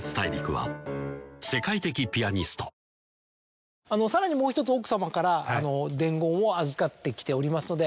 東芝さらにもう１つ奥様から伝言を預かってきておりますので。